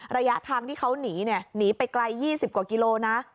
ระยะทางที่เขาหนีหนีไปไกล๒๐กว่ากิโลนะ